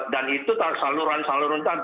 dan itu saluran saluran